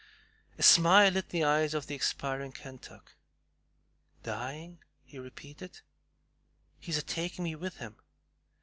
A smile lit the eyes of the expiring Kentuck. "Dying!" he repeated; "he's a taking me with him.